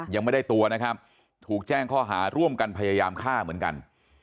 ยังไม่ได้ตัวนะครับถูกแจ้งข้อหาร่วมกันพยายามฆ่าเหมือนกัน